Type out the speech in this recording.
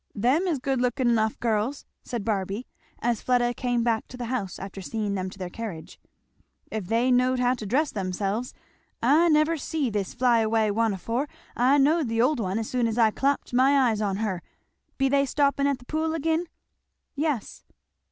"Them is good looking enough girls," said Barby as Fleda came back to the house after seeing them to their carriage, "if they knowed how to dress themselves. I never see this fly away one 'afore I knowed the old one as soon as I clapped my eyes onto her. Be they stopping at the Pool again?" "Yes."